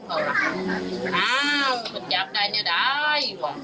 อ้าวจับได้เนี่ยได้